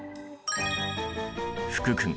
福君